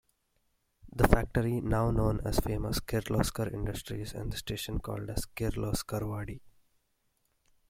The factory now known as famous Kirloskar Industries and the station called as Kirloskarwadi.